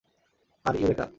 আর, eureka!